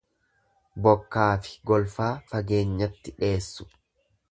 Bokkaafi golfaa fageenyatti dheessu.